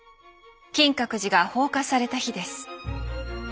金閣寺が放火された日です。